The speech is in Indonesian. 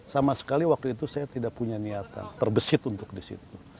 sama sekali waktu itu saya tidak punya niatan terbesit untuk di situ